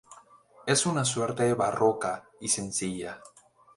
Es una suerte barroca y sencilla.